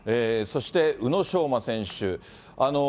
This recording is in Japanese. そして、宇野昌磨選手。